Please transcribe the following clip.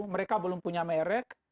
mereka belum punya merek